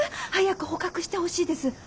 早く捕獲してほしいです。